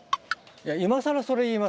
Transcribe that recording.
いや今更それ言いますか？